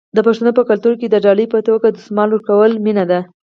د پښتنو په کلتور کې د ډالۍ په توګه دستمال ورکول مینه ده.